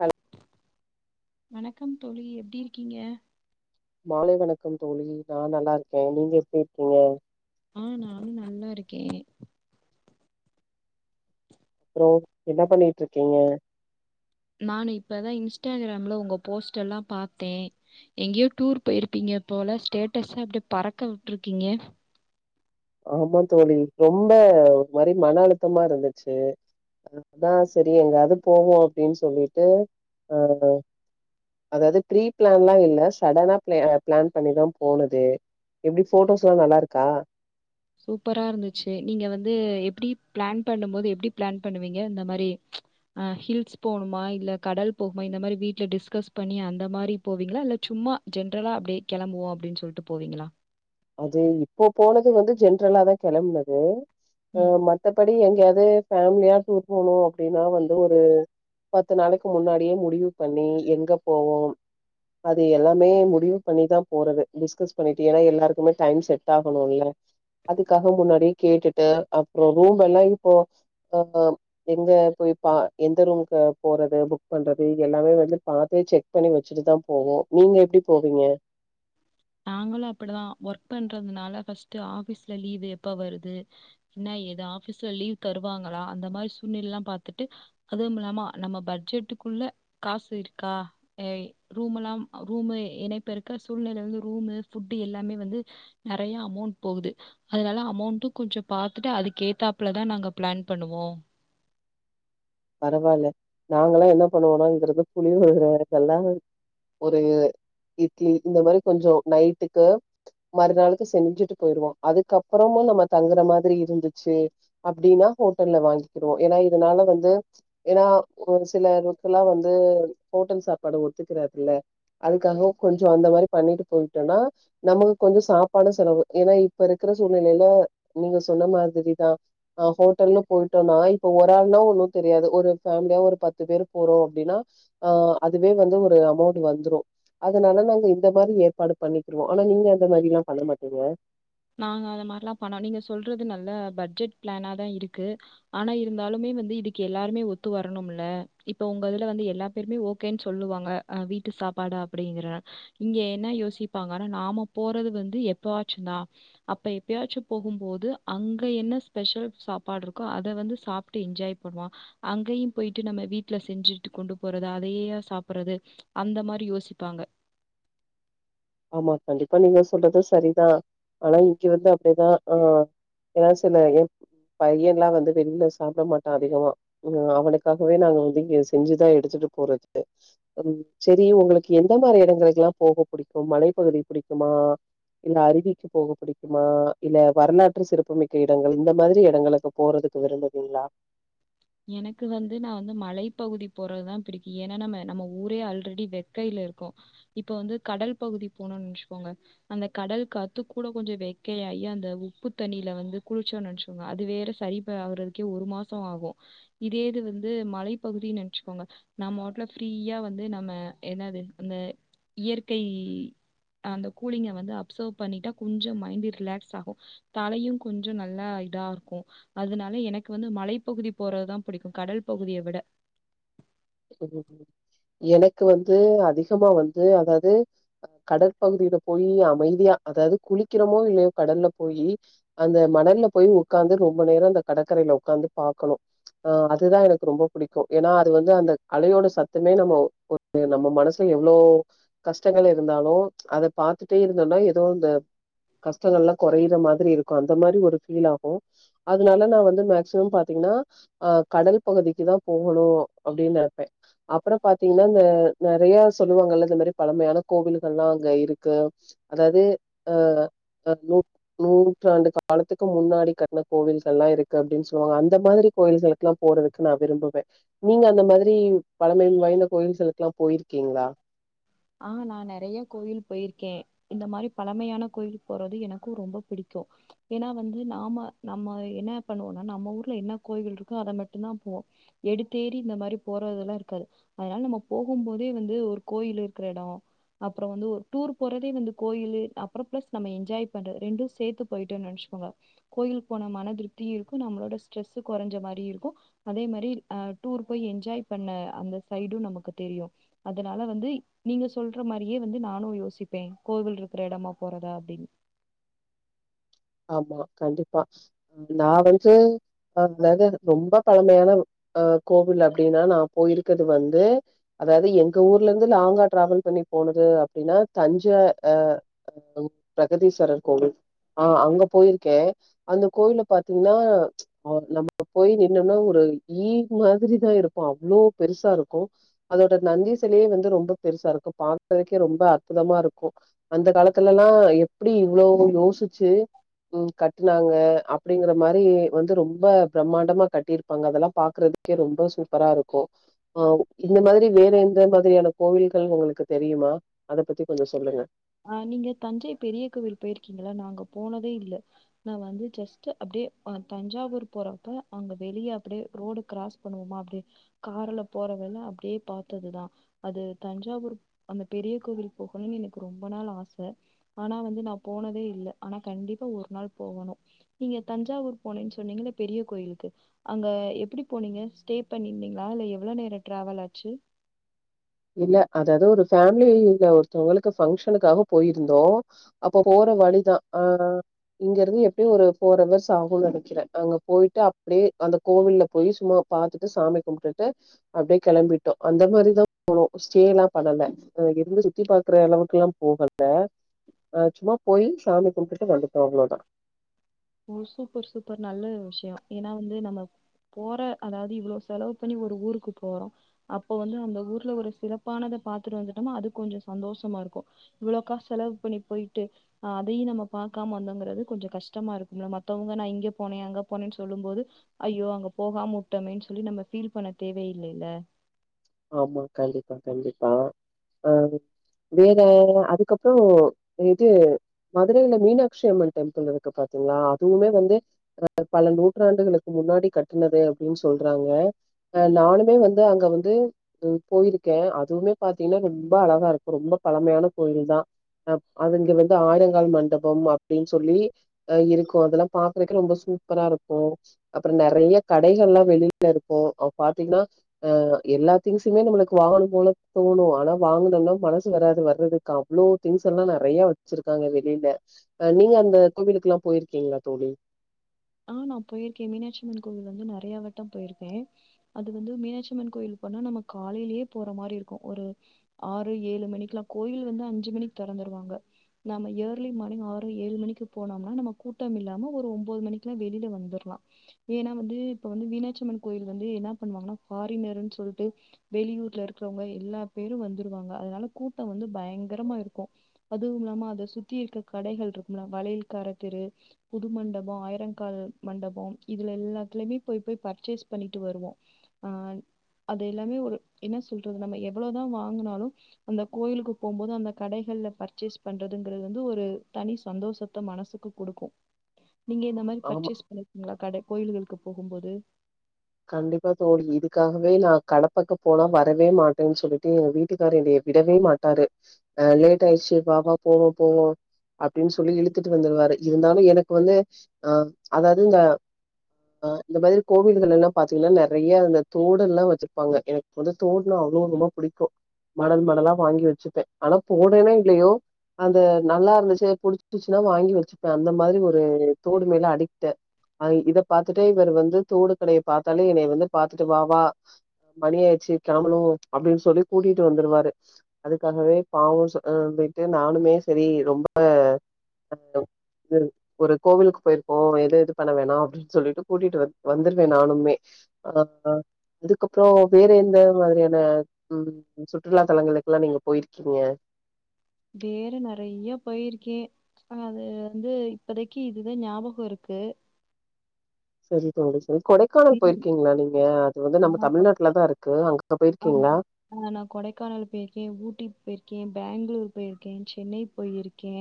hello வணக்கம் தோழி எப்டி இருக்கீங்க மாலை வணக்கம் தோழி நா நல்லா இருக்கே நீங்க எப்டி இருக்கீங்க ஆ நானு நல்லாருக்கே அப்றோ என்ன பண்ணிட்ருக்கீங்க நான் இப்பதா இன்ஸ்டாகிராம்ல உங்க போஸ்ட் எல்லா பாத்தே எங்கயோ டூர் போயிருப்பீங்க போல ஸ்டேட்டஸா அப்படியே பறக்க விட்ருக்கீங்க ஆமா தோழி ரொம்ப ஒரு மாறி மன அழுத்தமா இருந்துச்சு அதா செரி எங்காவது போவோ அப்டின்னு சொல்லிட்டு அ அதாவது ப்ரீ பிளான்லா இல்ல சடனா பிள-பிளான் பண்ணிதா போனது எப்டி ஃபோட்டோஸ்லா நல்லாருக்கா சூப்பராருந்துச்சு நீங்க வந்து எப்டி பிளான் பண்ணும் போது எப்டி பிளான் பண்ணுவீங்க இந்த மாரி அ ஹில்ஸ் போணுமா இல்ல கடல் போகுமா இந்த மாரி வீட்ல டிஸ்கஸ் பண்ணி அந்த மாரி போவீங்களா இல்ல சும் மா ஜென்ரலா அப்டியே கெளம்புவோ அப்டின்னு சொல்ட்டு போவீங்களா அது இப்போ போனது வந்து ஜென்ரலாதா கெளம்புனது அ மத்தபடி எங் எங்யாது ஃபேமிலியா டூர் போனோ அப்டீன்னா வந்து ஒரு பத்து நாளைக்கு முன்னாடியே முடிவு பண்ணி எங்க போவோம் அது எல்லாமே முடிவு பண்ணிதா போறது டிஸ்கஸ் பண்ணிட்டு ஏன்னா எல்லாருக் இன்னோ டைம் செட் ஆகணோல அதுக்காக முன்னாடியே கேட்டுட்டு அப்புறோ ரூம் எல்லா இப்போ அ எங்க பா எந்த ரூமுகு போறது புக் பண்றது இது எல்லாமே வந்து பாத்து செக் பண்ணி வெச்சுட்டுதா போவோ நீங்க எப்டி போவீங்க உஹம் [inaudible] நாங்களோ அப்படிதா ஒர்க் பண்றதுனால ஃபஸ்ட்டு ஆபீஸ்ல லீவு எப்ப வருது எது ஆபீஸ்ல லீவ் தருவாங்களா அந்த மாரி சூல்நிலல்லா பாத்துட்டு அதுவுமில்லாம நம்ம பட்ஜெட்டுக் க்குள்ள காசு இருக்கா எ ரூமுலாம் ரூமு எணைப்பிருக்க சூழ்நிலை வந்து ரூமு ஃபுட்டு எல்லாமே வந்து நறையா அமௌண்ட்டு போகுது அதனால அமௌண்டு கொஞ்சோ பாத்துட்டு அது கேத்தாப்லதா நாங்க ப்ளான் பண்ணுவோ பரவால்ல நாங்களா என்ன பண்ணுவோனோங்கறது புளியோதர இதெல்லா ஒரு இட்லி இந்த மாரி கொஞ்சோ நைட்டுக்கு மறுநாளுக்கு செஞ்சுட்டு போயிருவோ அதுக்கப்புறமோ நம்மோ தங்குற மாதிரி இருந்துச்சு அப்டீன்னா ஹோட்டல்ல வாங்கிக்கிறவோ ஏன்னா இதனால வந்து ஏன்னா ஒரு சிலருக்குல்லா வந்து ஹோட்டல் சாப்பாடு ஒத்துக்கறாது இல்ல அதுக்காக கொஞ்சோ அந்த மாதிரி பண்ணிட்டு போயிட்டோனா நமக்கு கொஞ்சோ சாப்பாடு செலவு ஏன்னா இப்ப இருக்க இந்த சூழ்நிலைல நீங்கசொன்ன மாதிரிதா அ ஹோட்டல்னு போயிட்டோனா இப்ப ஒரு ஆள்னா ஒன்னோ தெரியாது ஒரு ஃபேமிலியா ஒரு பத்து பேரு போறோ அப்டீன்னா அ அதுவே வந்து ஒரு அமௌண்ட்டு வந்துரோ அதனால நாங்க இந்த மாரி ஏற்பாடு பண்ணிக்குருவோ ஆனா நீங்க அந்த மாதிரி எல்லா பண்ண மாட்டீங்க நாங்க அந்த மார்லா பண்ணோ நீங்க சொல்றது நல்ல பட்ஜெட் பிளானாதா இருக்கு ஆனா இருந்தாலுமே இது வந்து இதுக்கு எல்லாருமே ஒத்து வரணோம்ல இப்ப உங்கிதுல வந்து எல்லா பேருமே ஓகேன்னு சொல்லுவாங்க வீட்டுக் சாப்பாடு அப்டீங்கற இங்க என்ன யோசிப்பாங்கனா நாம போறது வந்து எப்பாவுச்சுந்தா அப்ப எப்பயாச்சு போகும்போது அங்க என்ன ஸ்பெஷல் சாப்பாடு இருக்கோ அத வந்து சாப்ட்டு என்ஜாய் பண்ணுவோ அங்கயு போய்ட்டு நம்ம வீட்ல செஞ்சுட்டு கொண்டு போறது அதையே சாப்புடுறது அந் இந்த மாரி யோசிப்பாங்க ஆமா கண்டிப்பா நீங்க சொல்றதோ சரிதா ஆனா இங்க வந்து அப்டிதா ஆ ஏ சொன்னா ஏன் பையன்லா வந்து வெளில சாப்ட மாட்டா இங்க அவனுக்காகவே நாங்க வந்து இங்க செஞ்சுதா எடுத்துட்டு போறதுக்கு செரி உங்குளுக்கு எந்த மாரி எடங்களுக்குல்லா போக புடிக் இப்போ மலைப்பகுதி புடிக்குமா இல்ல அருவிக்கு போக பிடிக்குமா இல்ல வரலாற்று சிறப்புமிக்க இடங்கள் இந்த மாதிரி எடங்குளுக்கு போறது விரும்புவீங்களா எனக்கு வந்து நா வந்து மலைப்பகுதி போறதுதா பிடிக்கு ஏன்னா நம்ம நம்ம ஊரே ஆல்ரெடி வெக்கயில இருக்கோ இப்ப வந்து கடல் பகுதி போனோனு நெனச்சுக்கோங்க அந்த கடல் காத்து கூட கொஞ்சோ வெக்கே எ அய்யே அந்த உப்பு தண்ணீல வந்து குளிச்சோனு நெனைச்சோங்க அது வேற சரிபே ஆறதுக்கே ஒரு மாசோ ஆகோ இதே இது வந்து மலைப்பகுதினு நென்ச்சுக்கோங்க நாமாட்ல ஃப்ரீயா வந்து நம்ம என்னாது அந்த இயற்கை அந்த கூலிங்க வந்து அப்சர்வ் பண்ணிட்டா குஞ்சோ மைண்டு ரிலாக்ஸ் ஆகோ தலையு கொஞ்சோ நல்லா இதா இருக்கோ அதனால எனக்கு வந்து மலைப்பகுதி போறதுதா புடிக்கு கடல் பகுதிய விட ம் ம் எனக்கு வந்து அதிகமா வந்து அதாவது கடற்பகுதியில போய் அமைதியா அதாவது குளிக்கிறோமோ இல்லையோ கடல்ல போய் அந்த மணல்ல போய் உக்காந்து ரொம்ப நேர அந்த கடற்கரை ல உக்காந்து பாக்கணு அ அது தா எனக்கு ரொம்ப புடிக்கு ஏன்னா அது வந்து அந்த அலையோட சத்தமே நம்ம ஒரு நம்ம மனசு எவ்ளோ கஷ்டங்கள் இருந்தாலு அத பாத்துட்டே இருந்தோன்னா எதோ அந்த கஷ்டங்கல்லா கொறையுற மாதிரி இருக்கு அந்த மாரி ஒரு ஃபீல் ஆகு அதுனால நா வந்து மேக்சிமம் பாத்தீங் னா அ கடல் பகுதிக்கு தா போகணு அப்டின் நெனபே அப்புற பாத்தீங்ன்னா இந்த நெறைய சொல்லுவாங்கள்ல இந்த மாரி பழமையான கோவில்கள்லா அங்க இருக்கு அதாவது அ அ நூ நூற்றாண்டு காலத்துக்கு முன்னாடி கட்ன கோவில்கள் எல்லா இருக்கு அப்டின்னு சொல்லுவாங்க அந்த மாரி கோயில்களுக்குல்லா போறதுக்கு நா விரும்புவே நீங்க அந்த மாரி ரி பழமை வாய்ந்த கோயில்கலுக்லா போயிருக்கீங்களா அ நா நெறய கோயில் போயிருக்க இந்த மாரி பழமையான கோயில் போறது எனக்கு ரொம்ப பிடிக் சோ ஏன்னா வந்து நாம நம்ம என்ன பண்ணுவோனா நம்ம ஊர்ல என்ன கோயில்கள் இருக்கோ அத மட்டுதா போ போ எடுத்தேறி இந்த மாரி போறதெல்லா இருக்காது அதனால நம்ம போகும் போதே வந்து ஒரு கோயில் இருக் கெடோ அப்பற வந்து ஒரு டூர் போறதே வந்து கோயிலு அப்பற பிளஸ் நம்ம என்ஜாய் பண்ற ரெண்டு சேத்து போயிட்டோ நெனச் கோங்க கோயிலுக்கு போன மனதிருப்தியு இருக்கு நம்மளோட ஸ்ட்ரெஸ் கொறைஞ்ச மாரி இருக்கு அதே மாரி அ டூர் போய் என்ஜாய் பண்ண அந்த சைடு நமக்கு தெரியு அதனால வந்து நீங்க சொல்ற மாரியே வந்து நானு யோசிப்பே கோவில் இருக்கிற இடமா போறதா அப்டின்னு [inaudible] ஆமா கண்டிப்பா நா வந்து அதாவது ரொம்ப பழமையான அ கோவில் அப்டின்னா நா போயிருக்கறது வந்து அதாவது எங்க ஊர்லருந்து லாங்கா டிராவல் பண்ணி போனது அப்படின்னா தஞ்ச அ பிரகதீஸ்வரர் கோவில் அ அங்க போயிருக்கே அந்த கோயில பாத்தீங்ன்னா அ நம்ம போய் நின்னம்னா ஒரு ஈ மாதிரிதா இருக்கு அவ்ளோ பெருசாருக்கு அதோட நந்தி செலையே வந்து ரொம்ப பெருசா இருக்கு பாத்ததுகே ரொம்ப அற்புதமாருக்கு அந்த காலத்துலல்லா எப்படி இவ்ளோ யோசி சு ம் கட்னாங்க அப்டிங்கற மாரி வந்து ரொம்ப பிரமாண்டமா கட்டிருப்பாங்க அதெல்லா பாக்குற கே ரொம்ப சூப்பராருக்கு அ இந்த மாதிரி வேற எந்த மாதிரியான கோவில்கள் உங்களுக்கு தெரியு ம அத பத்தி கொஞ்ச சொல்லுங்க அ நீங்க தஞ்சை பெரிய கோவில் போயிருக்கீங்களா நா அங்க போனதே இல்ல நா வந்து ஜஸ்ட் அப்டி யே அ தஞ்சாவூர் போறப்ப அங்க வெளிய அப்டியே ரோடு கிராஸ் பண்ணுவோமா அப்டி கார்ல போ போறவல அப்டியே பாத்ததுதா அது தஞ்சாவூர் அந்த பெரிய கோவில் போகணும்னு என க்கு ரொம்ப நாள் ஆச ஆனா வந்து நா போனதே இல்ல ஆனா கண்டிப்பா ஒரு நாள் போகணு நீங் க தஞ்சாவூர் போனேன் சொன்னீங்கள பெரிய கோயிலுக்கு அங்க எப்படி போனீங்க ஸ்டே பண்ணிருந்தீங்களா இல்ல எவ்ள நேர டிராவல் ஆச்சு இல்ல அதாவது ஒரு ஃபேமிலில ஒருத்தவங்களுக்கு ஃபங்க்ஷனுக்காக போயிருந்தோ அப்ப போ ற வழிதா அ இங்க இருந்து எப்டியு ஒரு ஃபோர் அவர்ஸ் ஆகு நெனைக்கிறே அங்க போயிட்டு அப்டியே அந்த கோவில்ல போய் சும்மா பாத்துட்டு சாமி கும்டுட்டு அப்டியே கெளம்பிட்டோ அந்த மாரிதா போனோ ஸ்டே எல்லா பண்ணல அது இருந்து சுத்தி பாக்குற அளவுக்குல்லா போகல அ சும்மா போய் சாமி கும்டுட்டு வந்துட்டோ அவ்ளோதா ஓ சூப்பர் சூப்பர் நல்ல விஷயோ ஏன்னா வந்து நம்ம போற அதாவது இவ்ளோ செலவு பண்ணி ஒரு ஊருக்கு போறோ அப்ப வந்து அந்த ஊர்ல ஒரு சிறப்பானத பாத்துட்டு வந்துட்டோம்னா அது கொஞ்ச சந்தோஷமாருக்கு இவ்ளோ காசு செலவு பண்ணி போயிட்டு அதையு நம்ம பாக்காம வந்தங்கிறது கொஞ்ச கஷ்டமா இரு மத்தவங்க நா இங்க போனே அங்க போனே சொல்லும் போது ஐயோ அங்க போகாம வுட்டோமேன் சொல்லி நம்ம ஃபீல் பண்ண தேவையில்லையில்ல ஆமா கண்டிப்பா கண்டிப்பா அ வேற அதுக்கப்புறோ இது மதுரைல மீனாக்சி அம்மன் டெம்பிள் இருக்கு பா த்திங்ளா அதுவுமே வந்து [inaudible] பல நூற்றாண்டுகளுக்கு முன்னாடி கட்டுனது அப்டின் சொல்றாங்க அ நானுமே வந்து அங்க வந்து து போயிருக்கே அதுவுமே பாத்திங்னா ரொம்ப அழகா இருக்கு ரொம்ப பழமையான கோயில் தா அப் அது இங்க வந்து ஆயிரங்கால் மண்டபம் அப்டின் சொல்லி அ இருக்கு அதெல்லாம் பாக்கறக்கே ரொம்ப சூ ப்பராருக்கு அப்புற நெறைய கடைகள்லா வெளில இருக்கு அ பாத்திங்னா அ எல்லா திங்ஸுமே நம்மளுக்கு வாங்கணும் போல தோணு ஆனா வாங்கணும்னா மனசு வராது வர்றதுக்கு அவ்ளோ திங்ஸ் எல்லா ந றையா வெச்சிருக்காங்க வெளில அ நீங்க அந்த கோவிலுக்குல்லா போயிருக்கீங்ளா தோழி ஆ நா போயிருக்கே மீனாட்சியம்மன் கோவில் வந்து நறையா வட்டம் போயிருக்கே அது வந்து மீனாட்சியம்மன் கோயில் அப்பனா நம்ம காலைலியே போற மாரி இருக்கு ஒரு ஆறு ஏழு மணிக்குலா கோயில் வந்து அஞ்சு மணிக் தெற ந்திருவாங்க நாம்ம இயர்லி மானிங் ஆறோ ஏழு மணிக்கு போனோம்னா நம்ம கூட்டம் இல்லாம ஒரு ஒம்போது மணி க்லா வெளில வந்துர்லா‌ ஏனா வந்து இப்ப வந்து மீனாட்சிம்மன் கோயில் வந்து என்னா பண்வாங்கனா ஃபாரினருன் சொ ல்ட்டு வெளியூர்ல இருக்கறவங்க எல்லா பேரு வந்துருவாங்க அதனால கூட்டோ வந்து பயங்கரமா இருக்கு அதுவுமில்லாம அத சுத்தி இருக்க கடைகள்ருக்கும்ல வளையல் கார தெரு புது மண்டபோ ஆயிர கால் மண்டபம் இதுல எல்லாத்திலமே போய் போய் பர்ச்சேஸ் பண்ணிட்டு வருவோ அ அது எல்லாமே ஒரு என்ன சொல்றது நம்ம எவ்வளதா வாங்குனாலு அந்த கோயிலுக்கு போம்போது அந்த கடைக ள்ல பர்ச்சேஸ் பண்றதுங்கறது வந்து ஒரு தனி சந்தோஷத்த மனசுக்கு குடுக்கு நீங்க இந்த மாரி ஆமா பர்ச்சேஸ் பண்ணிர்க்கிங்ளா கடை கோயில்களுக்கு போகும்போது கண்டிப்பா தோழி இதுக்காகவே நா கடப்பக்க போனா வரவே மாட்டேன் சொல்லிட்டு எங்க வீட்டுக்காரு என்னைய விடவே மாட்டாரு அ லேட் ஆயிருச்சி வா வா போவோ போவோ அப்டின் சொல்லி இழுத்துட்டு வந்துருவாரு இருந்தாலு எனக்கு வந்து அ அதாவது இந்த அ இந்த மாதிரி கோவில்கள் எல்லா பாத்திங்னா நெறைய அந்த தோடு எல்லா வெச்சிருப்பாங்க எனக்கு வந்து தோட்னா அவ்ளோ ரொம்போ புடிக்கு மாடல்மாடலா வாங்கி வெச்சுப்பே ஆனா போட்றேனோ இல்லையோ அது நல்லா இருந்துச்சு புடிச்சிகிச்சுன்னா வாங்கி வெச்சுப்பே அந்த மாதிரி ஒரு தோடுமேல அடிக்ட்டு அ இத பாத்துட்டே இவர் வந்து தோடு கடையை பாத்தாலே என்னைய வந்து பாத்துட்டு வா வா அ மணியாய்ச்சி கெளம்பனு அப்டின் சொல்லி கூட்டிட்டு வந்துருவாரு அதுக்காகவே பாவோ சொ அ ய்ட்டு நானுமே செரி ரொம்ப அ து ஒரு கோவிலுக்கு போயிருக்கோ எது எது பண்ண வேணா அப்டின் சொல்லிட்டு கூட்டிட்டு வ வந்துருவே நானு மே அ அ அதுகப்புறோ வேற எந்த மாதிரியான ம் சுற்றுலா தலங்களுக்கள்லா நீங்க போயிருக்கீங்க வேற நறைய போயிருக்கே அ அது வந்து இப்பதைக்கி இதுதா ஞாபகோ இருக்கு சரி தோழி சரி கொடைகானல் உம் போயிருக்கீங்ளா நீங்க அது வந்து நம்ம ஆஹ் தமிழ்நாட்லதாருக்கு அ ஆமா ஆ நா கொடைக்கானலு பேயிருக்கே ஊட்டி பேயிர் க்கே பேங்ளூர் போயிருக்கே சென்னை போயிருக்கே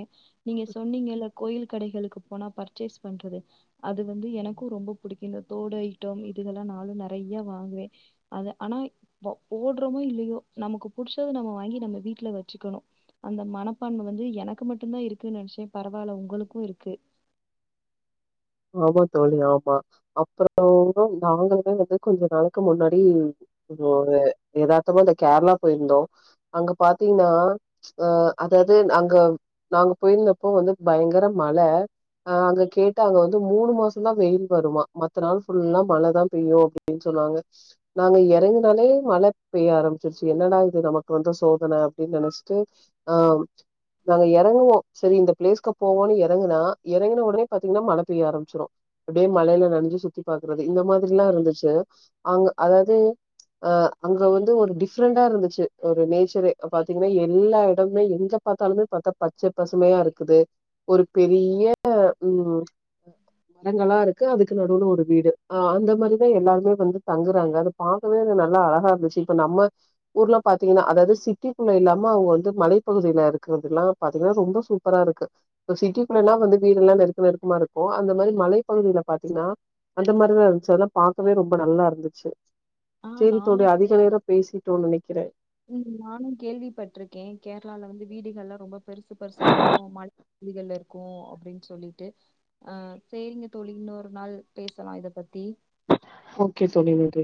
நீங்க சொன்னீங்கள்ல கோயில் கடைகளுக்கு போனா அ பர்ச்சேஸ் பண்றது அது வந்து எனக்கு ரொம்ப புடிக்கு இந்த தோடு ஐட்டம் இதுகல்லா நாலு நறைய வாங்குவே அது ஆனா வ போட்றமோ இல்லையோ நமக்கு புடிச்சத நம்ம வாங்கி நம்ம வீட்ல வெச்சுக்கணு அந்த மனப்பான்ம வ இது எனக்கு மட்டுந்தா இருக்கு நெனச்சே பரவால உங்களுக்கு இருக்கு ஆமா தோழி ஆமா அப்புறோ [inaudible] நாங்களு வந்து கொஞ்ச நாளக்கி முன்னாடி ம் ஒரு எதார்த்தமா இந்த கேரளா போயிர்ந்தோ அங்க பாத்தீனா அ அத அது அங்க நாங்க போய்ந்தப்போ வந்து பயங்கர மழ அ அங்க கேட்டு அங்க வ ந்து மூணு மாசந்தா வெயில் வருமா மத்த நாள் ஃபுல்லா மழதா பெய்யு அப்டின் சொன்னாங்க நாங்க எ இங்கிருந் எறங்கின ஒனே மழ பெய்ய ஆரம்பிச்சிருச்சு என்னடா இது நமக்கு வந்த சோதன அப்டின் நெனச்ட்டு அ ம் நாங்க எறங்குவோ செரி இந்த பிளேஸ்கு போவோனு எறங்குனா எறங்கின ஒடனே பாத்தீங்ன்னா மழ பெய்ய ஆரம்ச்சிரு அப்டியே மலையில நனஞ்சு சுத்தி பாக்கறது இந்த மாதிரில்லா இருந்துச்சு அங்க அதாவ்து அ அங்க வந்து ஒரு டிஃப்ரெண்டா இருந்துச்சி ஒரு நேச்சரே பாத்தீங்ன்னா எல்லா எடமுமே எங்கப் எங்க பாத்தாலுமே பாத்தா பச்ச பசுமையாருக்குது ஒரு பெரிய ம் உம் மரங்கல்லருக்கு அதுக்கு நடுவுல ஒரு வீடு அ அந்த மாரிதா எல்லாருமே வந்து தங்குறாங்க அத பாக்கவே நல்ல அழகாருந்துச்சி இப்ப நம்ம ஊர்ல பாத்தீங்கன்னா அதாவது சிட்டிகுள்ள இல்லாம அவுங்க வந்து மலைப்பகுதிலருக் ரோட்டுகள்ளா பாத்தீங்கன்னா ரொம்ப சூப்பராருக்கு இப்ப சிட்டிகுள்ளலா வந்து வீடுல்லா நெருக்கநெருக்கமாருக்கு இப்போ அந்த மாரி மலைபகுதில பாத்தீன்னா அந்த மாரிதான்ச்சி‌ஆனா பாக்கவே ரொம்ப நல்லாருந்துச்சி ஆ சேரி தோழி நானும் அதிக நேரோ பேசிட்டோ ம் நானு கேள்விப்பட்ருக்கே கேரளால வந்து வீடுகல்லா ரொம்ப பெருசு பெருசாருக்கோ மாடி வீடுகள்ளருக்கோ அப்டின் சொல்லிட்டு அ சேரிங்க தோ ழி இன்னொரு நாள் பேசலா இத பத்தி ஓகே தோழி ஓகே